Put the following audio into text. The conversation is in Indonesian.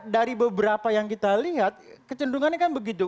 dari beberapa yang kita lihat kecenderungannya kan begitu